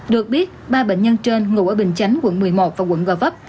được biết ba bệnh nhân trên ngụ ở bình chánh quận một mươi một và quận gò vấp